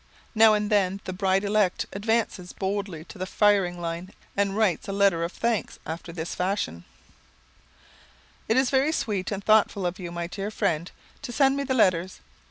Now and then the bride elect advances boldly to the firing line and writes a letter of thanks after this fashion: "It is very sweet and thoughtful of you, my dear friend, to send me the letters.